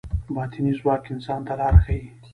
باطني ځواک انسان ته لار ښيي.